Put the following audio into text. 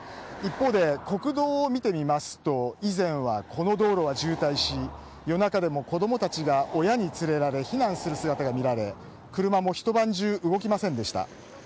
一方で国道を見てみますと以前はこの道路は渋滞し、夜中でも子供たちが親に連れられ避難する姿が見られ車も、ひと晩中動きませんでした。